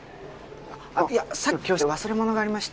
あのいやさっきの教室で忘れ物がありまして。